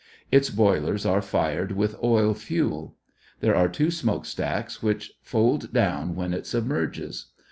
Its boilers are fired with oil fuel. There are two smoke stacks which fold down when it submerges.